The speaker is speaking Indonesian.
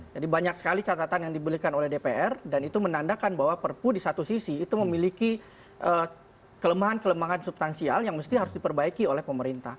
jadi banyak sekali catatan yang diberikan oleh dpr dan itu menandakan bahwa perpu di satu sisi itu memiliki kelemahan kelemahan subtansial yang mesti harus diperbaiki oleh pemerintah